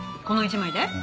この１枚で？